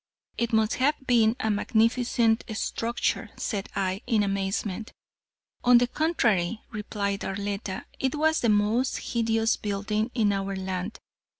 "It must have been a magnificent structure," said I, in amazement. "On the contrary," replied Arletta, "it was the most hideous building in our land.